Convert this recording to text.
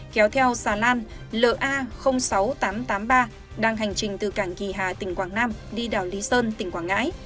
kéo theo xà lan la sáu nghìn tám trăm tám mươi ba đang hành trình từ cảng kỳ hà tỉnh quảng nam đi đảo lý sơn tỉnh quảng ngãi